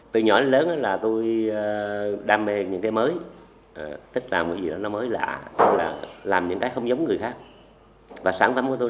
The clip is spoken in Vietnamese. tôi đam mê những cái mới tức là làm những cái mới lạ làm những cái không giống người khác và sản phẩm của tôi